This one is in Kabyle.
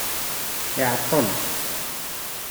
Iɛeṭṭel.